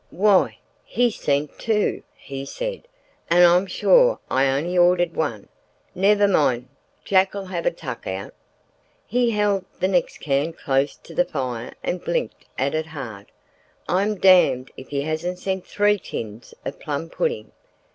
"Why! he's sent two," he said, "and I'm sure I only ordered one. Never mind—Jack'll have a tuck out." He held the next can close to the fire and blinked at it hard. "I'm damned if he hasn't sent three tins of plum pudding.